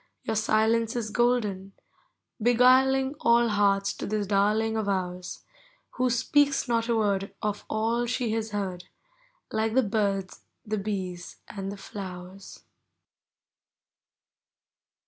Your silence is golden, — beguiling All hearts to this darling of ours. Who Hpcaks not a word Of all she has heard, Like the birds, the bees, and the Mowers.